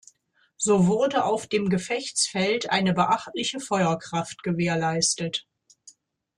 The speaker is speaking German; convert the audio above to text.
So wurde auf dem Gefechtsfeld eine beachtliche Feuerkraft gewährleistet.